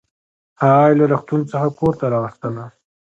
هغه يې له روغتون څخه کورته راوستله